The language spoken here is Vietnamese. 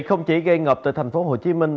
không chỉ gây ngợp tại thành phố hồ chí minh